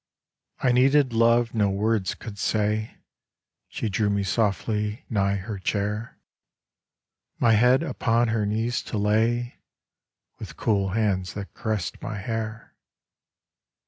. I needed love no words could say ; She drew me softly nigh her chair, My head upon her knees to lay, With cool hands that caressed my hair.